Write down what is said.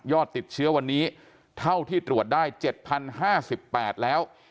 ติดเชื้อวันนี้เท่าที่ตรวจได้๗๐๕๘แล้ว